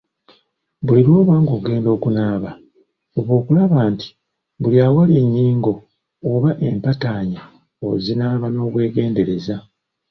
Buli lw'oba ng'ogenda okunaaba, fuba okulaba nti, buli awali ennyingo oba empataanya ozinaaba n'obwegendereza.